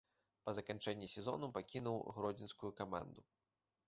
Па заканчэнні сезону пакінуў гродзенскую каманду.